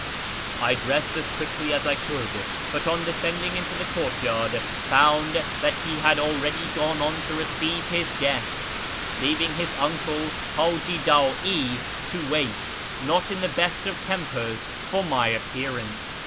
I dressed as quickly as I could, but on descending into the courtyard found that he had already gone on to receive his guests, leaving his uncle, Ilaji Da i, to wait, not in the best of tempers, for my appearance.